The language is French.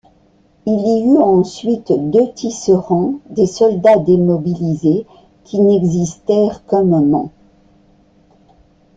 Il y eut ensuite deux tisserands, des soldats démobilisés, qui n'existèrent qu'un moment.